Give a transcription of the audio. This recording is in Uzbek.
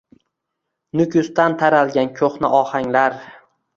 Nukusdan taralgan qo‘hna ohanglar